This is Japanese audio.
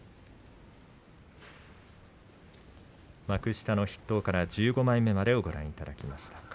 幕下の筆頭から１５枚目までをご覧いただきました。